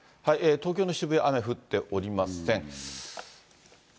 東京の渋谷、雨降っておりません。